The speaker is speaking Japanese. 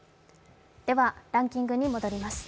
ではランキングに戻ります。